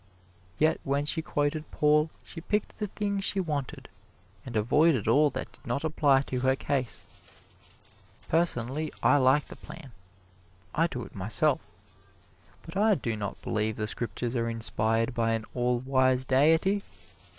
Yet when she quoted Paul she picked the thing she wanted and avoided all that did not apply to her case. Personally, I like the plan. I do it myself. But I do not believe the Scriptures are inspired by an all wise Deity.